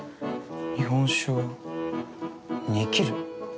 日本酒は煮切る？